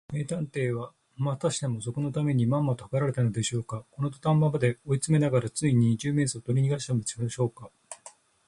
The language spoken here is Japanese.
名探偵は、またしても賊のためにまんまとはかられたのでしょうか。このどたん場まで追いつめながら、ついに二十面相をとりにがしてしまったのでしょうか。